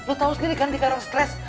lu tau sendiri kan di karo stres